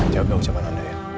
jawablah ucapan anda ya